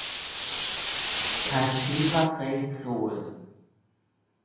Kashiwa Reysol